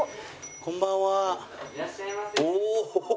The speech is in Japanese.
こんばんは。